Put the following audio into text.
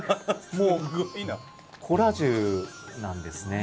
もうコラージュなんですね。